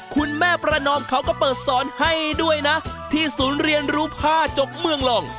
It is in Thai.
คุณแม่ประนอมเขาก็เปิดสอนให้ด้วยนะที่ศูนย์เรียนรู้ผ้าจกเมืองรอง